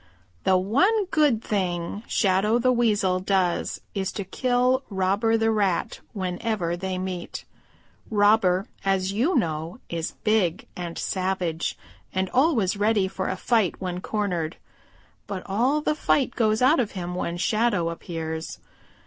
"The one good thing Shadow the Weasel does is to kill Robber the Rat whenever they meet. Robber, as you know, is big and savage and always ready for a fight when cornered. But all the fight goes out of him when Shadow appears.